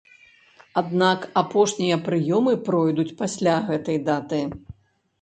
Аднак апошнія прыёмы пройдуць пасля гэтай даты.